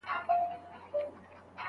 په خمير كي يې فساد دئ ور اخښلى